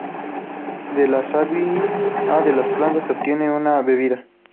De la savia de la planta se obtiene una bebida.